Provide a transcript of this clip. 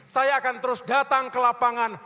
saya akan terus datang ke lapangan